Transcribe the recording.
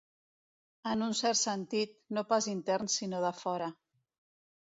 En un cert sentit, no pas intern sinó de fora.